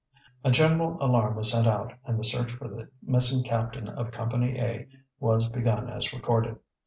A general alarm was sent out, and the search for the missing captain of Company A was begun as recorded.